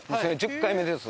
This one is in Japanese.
１０回目です。